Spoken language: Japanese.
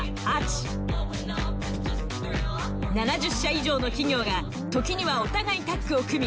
７０社以上の企業が時にはお互いタッグを組み